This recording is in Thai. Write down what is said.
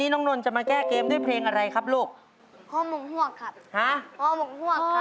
มีตำตากลุงปะจอบและกุ้งทาง